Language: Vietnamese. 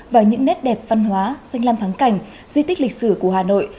và những nét đẹp văn hóa danh lam thắng cảnh di tích lịch sử của hà nội